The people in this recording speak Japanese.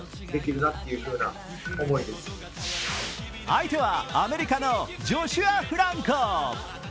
相手はアメリカのジョシュア・フランコ。